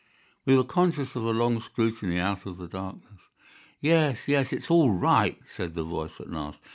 We were conscious of a long scrutiny out of the darkness. "Yes, yes, it's all right," said the voice at last.